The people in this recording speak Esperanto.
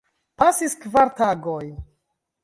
Pasis kvar tagoj.